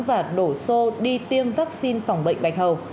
và đổ xô đi tiêm vaccine phòng bệnh bạch hầu